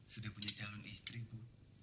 sudah punya calon istriku